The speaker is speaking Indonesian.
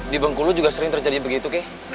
di bangku lu juga sering terjadi begitu kay